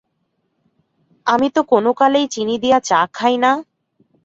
আমি তো কোনোকালেই চিনি দিয়া চা খাই না।